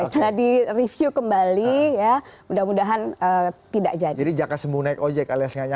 itu tadi review kembali ya mudah mudahan tidak jadi jadi jaka semu naik ojek